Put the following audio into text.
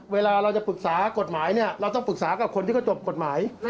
เวลาเราจะปรึกษากฎหมายเนี่ยเราต้องปรึกษากับคนที่เขาจบกฎหมาย